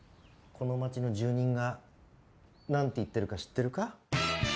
この町の住人が何て言ってるか知ってるか？